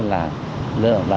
là làm đường giao tốc